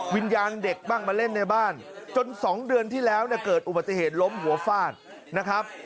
วิญญาณเด็กบ้างมาเล่นในบ้านจน๒เดือนที่แล้วเนี่ยเกิดอุบัติเหตุล้มหัวฟาดนะครับ